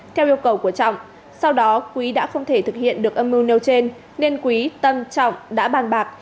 theo yêu cầu của trọng sau đó quý đã không thể thực hiện được âm mưu nêu trên nên quý tâm trọng đã bàn bạc